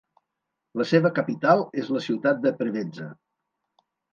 La seva capital és la ciutat de Preveza.